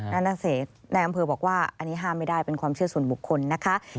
นั่นน่ะสินายอำเภอบอกว่าอันนี้ห้ามไม่ได้เป็นความเชื่อส่วนบุคคลนะคะ